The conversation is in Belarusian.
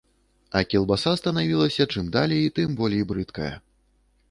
А кілбаса станавілася чым далей, тым болей брыдкая.